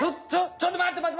ちょっとまってまって！